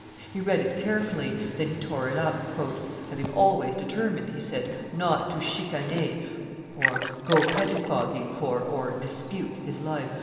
He read it carefully, then he tore it up, "having always determined," he said, "not to (chicaner) go pettifogging for (or, dispute) his life."